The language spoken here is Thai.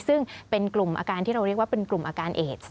ซึ่งเป็นกลุ่มอาการที่เราเรียกว่าเป็นกลุ่มอาการเอส